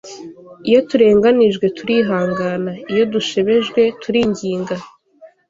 iyo turenganijwe, turihangana; iyo dushebejwe, turinginga